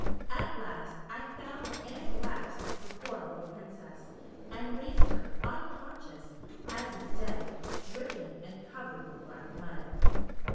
At last I found and grasped the poor little Princess, and raised her, unconscious, and as if dead dripping, and covered with black mud.